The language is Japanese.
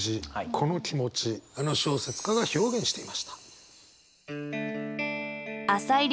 この気持ちあの小説家が表現していました。